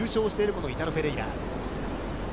このイタロ・フェレイラ。